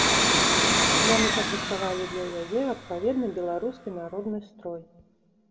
Яны падрыхтавалі для яе адпаведны беларускі народны строй.